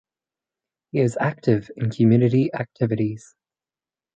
He is active in community activities.